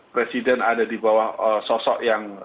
presiden ada dibawah sosok yang